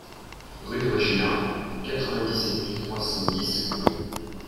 Rue de Règina, quatre-vingt-dix-sept mille trois cent dix Kourou